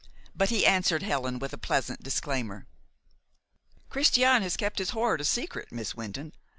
But he answered Helen with a pleasant disclaimer. "Christian kept his hoard a secret, Miss Wynton.